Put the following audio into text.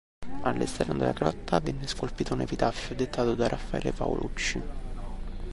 All'esterno della grotta venne scolpito un epitaffio dettato da Raffaele Paolucci.